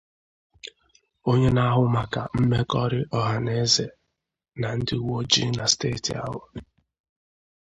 Onye na-ahụ maka mmekọrị ọhaneze na ndị uweojii na steeti ahụ